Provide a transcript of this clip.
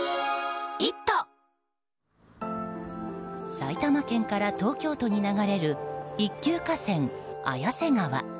埼玉県から東京都に流れる一級河川、綾瀬川。